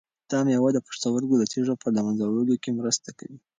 دا مېوه د پښتورګو د تیږو په له منځه وړلو کې مرسته کوي.